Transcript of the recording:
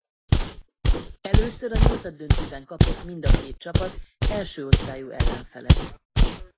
Először a nyolcaddöntőben kapott mind a két csapat első osztályú ellenfelet.